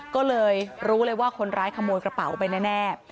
ก็เลยรู้เลยว่าคนร้ายขโมยกระเป๋าไปแน่